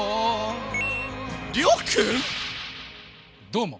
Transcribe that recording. どうも！